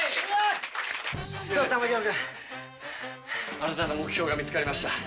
新たな目標が見つかりました。